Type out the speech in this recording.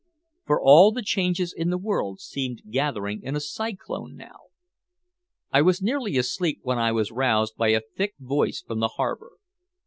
For all the changes in the world seemed gathering in a cyclone now. I was nearly asleep when I was roused by a thick voice from the harbor.